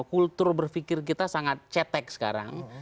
kultur berpikir kita sangat cetek sekarang